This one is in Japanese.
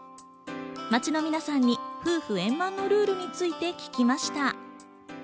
街の皆さんに夫婦円満のルールについて聞きました。